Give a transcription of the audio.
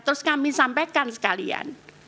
terus kami sampaikan sekalian